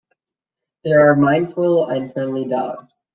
They are mindful and friendly dogs.